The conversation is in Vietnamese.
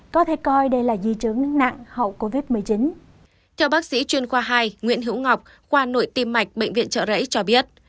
các bác sĩ chuyên khoa hai nguyễn hữu ngọc qua nội tiêm mạch bệnh viện trợ rẫy cho biết